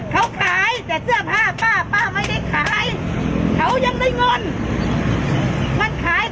เขาขายแต่เสื้อผ้าป้าป้าไม่ได้ขายเขายังได้เงินมันขาย